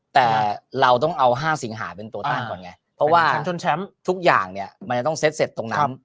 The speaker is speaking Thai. แต่เราต้องเอา๕สิงหาเป็นตัวตั้งก่อนไงเพราะว่าแชมป์ทุกอย่างเนี่ยมันจะต้องเซ็ตเสร็จตรงนั้น